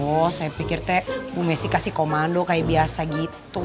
oh saya pikir teh bu messi kasih komando kayak biasa gitu